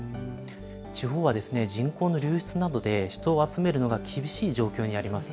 地方は人口の流出などで、人を集めるのが厳しい状況にあります。